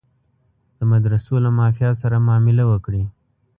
د مدرسو له مافیا سره معامله وکړي.